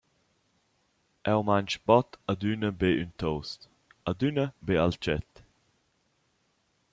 Eu mang bod adüna be ün toast, adüna be alchet.»